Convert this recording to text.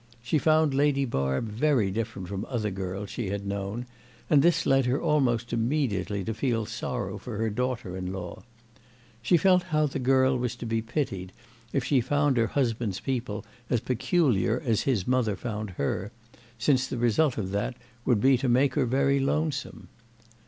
She found Lady Barb very different from other girls she had known, and this led her almost immediately to feel sorry for her daughter in law. She felt how the girl was to be pitied if she found her husband's people as peculiar as his mother found her, since the result of that would be to make her very lonesome.